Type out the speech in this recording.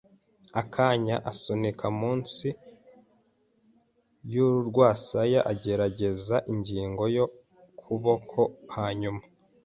akanya, asunika munsi y'urwasaya, agerageza ingingo ku kuboko, hanyuma,